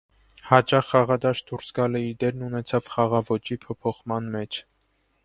Հաճախ խաղադաշտ դուրս գալը իր դերն ունեցավ խաղաոճի փոփոխման մեջ։